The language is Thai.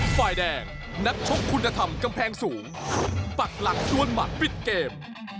ฝ่ายแดงนักชกคุณธรรมกำแพงสูงปักหลักด้วนหมัดปิดเกม